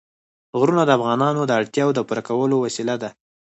غرونه د افغانانو د اړتیاوو د پوره کولو وسیله ده.